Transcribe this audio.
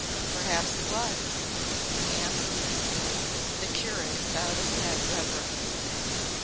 Perhaps it was the Answer!" The curate bowed his head reverently.